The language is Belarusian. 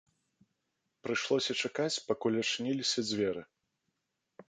Прыйшлося чакаць, пакуль адчыніліся дзверы.